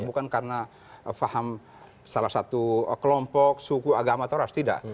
bukan karena faham salah satu kelompok suku agama toras tidak